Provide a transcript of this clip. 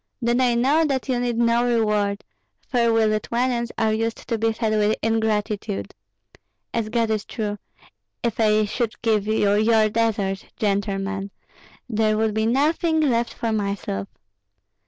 "Then I know that you need no reward, for we Lithuanians are used to be fed with ingratitude. As God is true, if I should give you your deserts, gentlemen, there would be nothing left for myself.